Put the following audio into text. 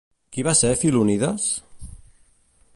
Qui va ser Filonides?